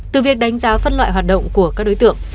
từ việc đánh giá phân loại hoạt động của các đối tượng